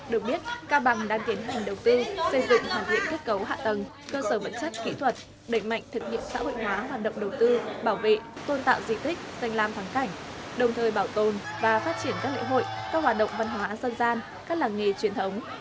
được biết cao bằng đang tiến hành đầu tư xây dựng hoàn thiện kết cấu hạ tầng cơ sở vật chất kỹ thuật đẩy mạnh thực hiện xã hội hóa hoạt động đầu tư bảo vệ tôn tạo di tích danh làm thắng cảnh đồng thời bảo tồn và phát triển các lễ hội các hoạt động văn hóa dân gian các làng nghề truyền thống